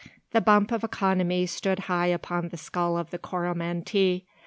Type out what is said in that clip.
The bump of economy stood high upon the skull of the Coromantee.